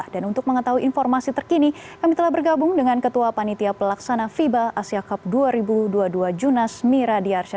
untuk mengetahui informasi terkini kami telah bergabung dengan ketua panitia pelaksana fiba asia cup dua ribu dua puluh dua junas miradiarsya